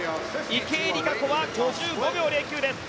池江璃花子は５５秒０９です。